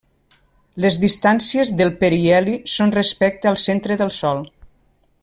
Les distàncies del periheli són respecte al centre del Sol.